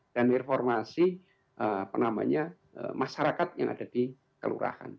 dan reformasi masyarakat yang ada di kalurahan